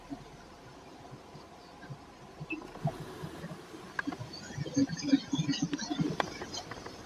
Pulojekiti evunanyizibwa ku kuddukanya okuzimba kilomita nga kikumi eza layini esasaanya amasannyalaze ey’amaanyi.